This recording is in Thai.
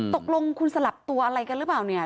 ตกลงคุณสลับตัวอะไรกันหรือเปล่าเนี่ย